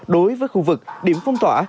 đối với khu vực điểm phong tỏa